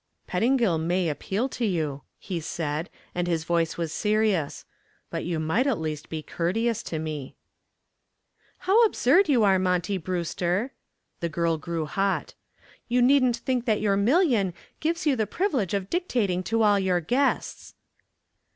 "Pettingill may appeal to you," he said, and his voice was serious, "but you might at least be courteous to me." "How absurd you are, Monty Brewster." The girl grew hot. "You needn't think that your million gives you the privilege of dictating to all of your guests."